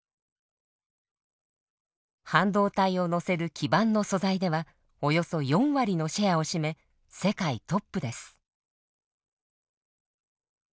半導体を載せる基板の素材ではおよそ４割のシェアを占め世界トップです。